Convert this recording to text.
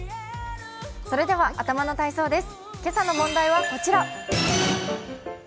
それでは頭の体操です。